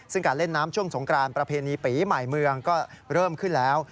ซึ่งการเล่นน้ำช่วงสงกรานประเพณีปีใหม่เมืองก็เริ่มขึ้นแล้ว